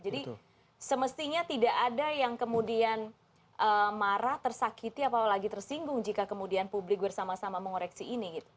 jadi semestinya tidak ada yang kemudian marah tersakiti apalagi tersinggung jika kemudian publik bersama sama mengoreksi ini gitu